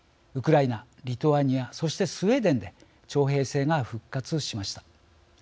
ウクライナリトアニアそしてスウェーデンで徴兵制が復活しました。